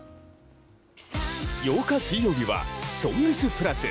８日水曜日は、ＳＯＮＧＳ＋ＰＬＵＳ。